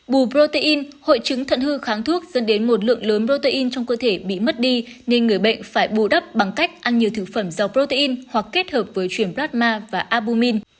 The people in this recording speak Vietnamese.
bù protein hội chứng thận hư kháng thuốc dẫn đến một lượng lớn protein trong cơ thể bị mất đi nên người bệnh phải bù đắp bằng cách ăn nhiều thực phẩm do protein hoặc kết hợp với chuyển pradma và abumin